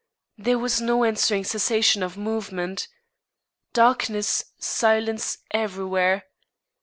There was no answering cessation of movement. Darkness, silence everywhere.